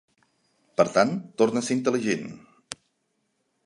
Per tant, torna a ser intel·ligent!